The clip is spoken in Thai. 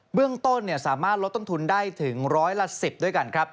เบื้องต้นสามารถลดต้นทุนได้ถึง๑๐๐ละ๑๐ด้วยกัน